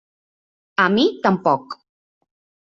A mi tampoc.